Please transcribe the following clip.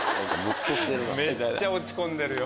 めっちゃ落ち込んでるよ。